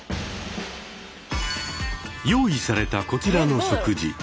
用意されたこちらの食事。